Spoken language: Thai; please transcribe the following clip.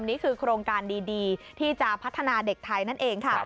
นี่คือโครงการดีที่จะพัฒนาเด็กไทยนั่นเองค่ะ